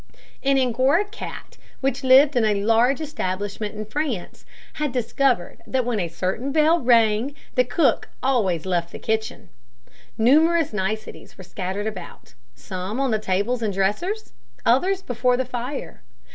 An Angora cat, which lived in a large establishment in France, had discovered that when a certain bell rang the cook always left the kitchen. Numerous niceties were scattered about, some on the tables and dressers, others before the fire.